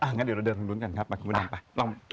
นะครับเดี๋ยวเราเดินข้างดนตร์กันครับมาคุณอำไป